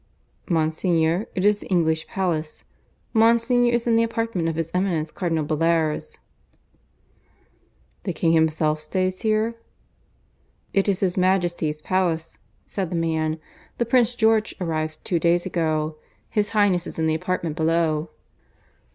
"Monsignor, it is the English palace. Monsignor is in the apartment of His Eminence Cardinal Bellairs." "The King himself stays here?" "It is His Majesty's palace," said the man. "The Prince George arrived two days ago. His Highness is in the apartment below."